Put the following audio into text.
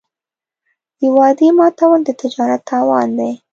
د وعدې ماتول د تجارت تاوان دی.